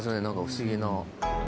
何か不思議な。